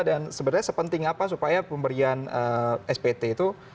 dan sebenarnya sepenting apa supaya pemberian spt itu